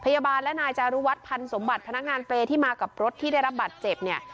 พยาบาลและนายจารุวัฒนพันธ์สมบัติพนักงานเปรย์ที่มากับรถที่ได้รับบัตรเจ็บเนี่ย